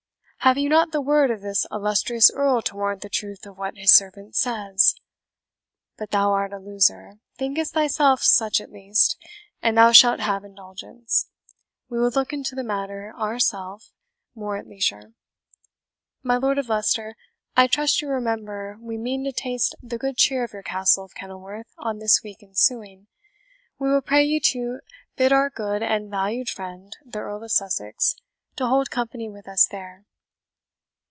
Have you not the word of this illustrious Earl to warrant the truth of what his servant says? But thou art a loser thinkest thyself such at least and thou shalt have indulgence; we will look into the matter ourself more at leisure. My Lord of Leicester, I trust you remember we mean to taste the good cheer of your Castle of Kenilworth on this week ensuing. We will pray you to bid our good and valued friend, the Earl of Sussex, to hold company with us there."